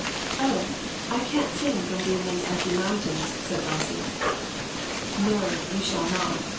"Oh, I can't sing 'From Greenland's Icy Mountains '," said Elsie. " No, you shall not.